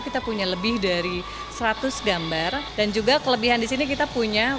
kita punya lebih dari seratus gambar dan juga kelebihan di sini kita punya